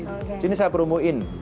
jadi ini saya promoin